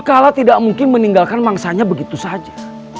kala tidak mungkin meninggalkan mangsanya begitu saja